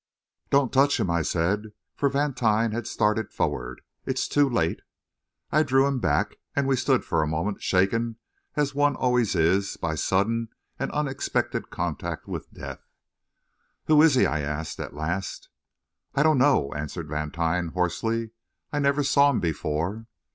"Don't touch him," I said, for Vantine had started forward. "It's too late." I drew him back, and we stood for a moment shaken as one always is by sudden and unexpected contact with death. "Who is he?" I asked, at last. "I don't know," answered Vantine hoarsely. "I never saw him before."